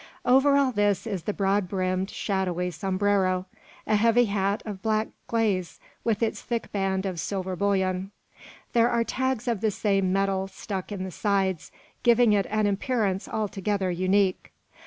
Over all this is the broad brimmed, shadowy sombrero; a heavy hat of black glaze, with its thick band of silver bullion. There are tags of the same metal stuck in the sides, giving it an appearance altogether unique.